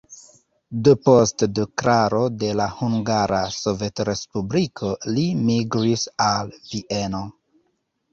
Depost deklaro de la Hungara Sovetrespubliko li migris al Vieno.